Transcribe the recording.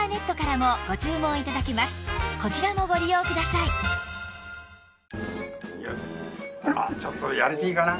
さらにちょっとやりすぎかな？